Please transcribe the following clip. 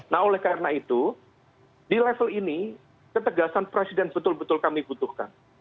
nah oleh karena itu di level ini ketegasan presiden betul betul kami butuhkan